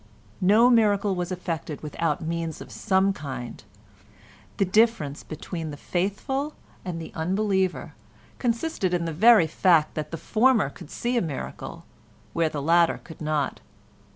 No miracle was effected without means of some kind; the difference between the faithful and the unbeliever consisted in the very fact that the former could see a miracle where the latter could not.